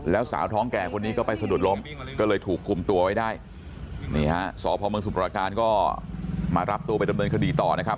แล้วสาวท้องแก่คนนี้ก็ไปสะดุดล้มก็เลยถูกคุมตัวไว้ได้นี่ฮะสพเมืองสุประการก็มารับตัวไปดำเนินคดีต่อนะครับ